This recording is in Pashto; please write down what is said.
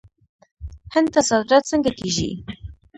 هند ته صادرات څنګه کیږي؟